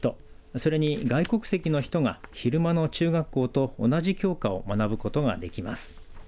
それに外国籍の人が昼間の中学校と同じ教科を学ぶことができます。